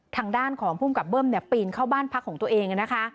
ทางด้านของภูมิกับเบิ้มปีนเข้าบ้านพักของตัวเองนะคะ